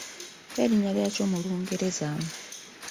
Mpa erinnya lya kyo mu Lungereza?